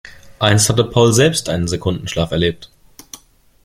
Einst hatte Paul selbst einen Sekundenschlaf erlebt.